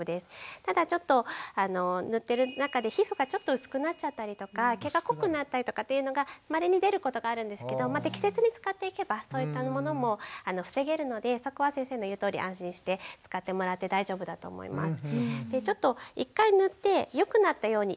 ただちょっと塗ってる中で皮膚がちょっと薄くなっちゃったりとか毛が濃くなったりとかっていうのがまれに出ることがあるんですけど適切に使っていけばそういったものも防げるのでそこは先生の言うとおり安心して使ってもらって大丈夫だと思います。